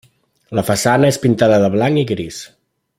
La façana és pintada de blanc i gris.